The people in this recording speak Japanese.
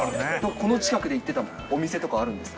この近くで行ってたお店とかあるんですか。